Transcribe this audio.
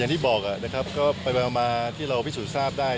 อย่างที่บอกประมาณที่เราพิสูจน์ทราบได้